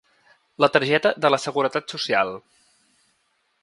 La targeta de la seguretat social.